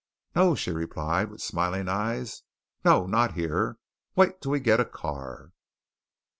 "No," she replied, with smiling eyes. "No, not here. Wait till we get a car."